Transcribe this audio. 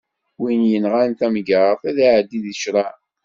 Win yenɣan tamgerḍt ad iɛeddi di ccṛeɛ.